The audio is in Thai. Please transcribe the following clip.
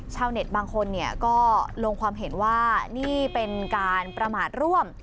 ชาวเน็ตบางคนก็ลงความเห็นว่านี่เป็นการประมาทร่วม